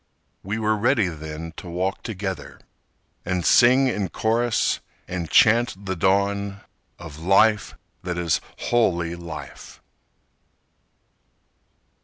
We were ready then to walk together And sing in chorus and chant the dawn Of life that is wholly life.